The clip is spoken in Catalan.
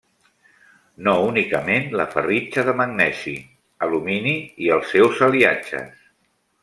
No únicament la ferritja de magnesi, alumini i els seus aliatges.